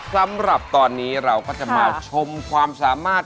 สำหรับตอนนี้เราก็จะมาชมความสามารถ